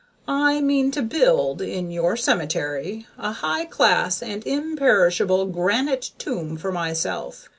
I mean to build, in your cemetery, a high class and imperishable granite tomb for myself.